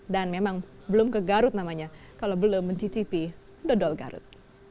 dan memang belum ke garut namanya kalau belum mencicipi dodol garut